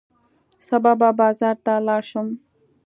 سبا به بازار ته لاړ شم.